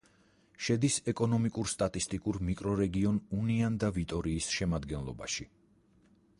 შედის ეკონომიკურ-სტატისტიკურ მიკრორეგიონ უნიან-და-ვიტორიის შემადგენლობაში.